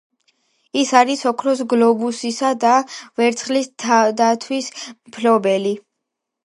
ის არის ოქროს გლობუსისა და ვერცხლის დათვის მფლობელი.